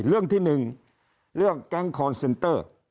เรื่องที่๑เรื่องแก๊งคอนเซนเตอร์